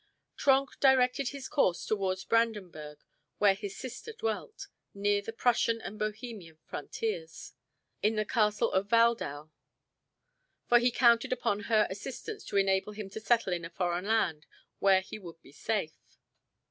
Trenck directed his course toward Brandenburg where his sister dwelt, near the Prussian and Bohemian frontiers, in the Castle of Waldau, for he counted upon her assistance to enable him to settle in a foreign land where he would be safe.